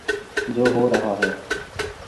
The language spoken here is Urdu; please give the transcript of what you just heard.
جو ہو رہا ہے۔